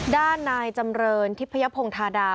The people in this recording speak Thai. ด้านนายจำเรินทิพยพงธาดา